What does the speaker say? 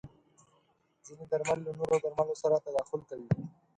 ځینې درمل له نورو درملو سره تداخل کوي.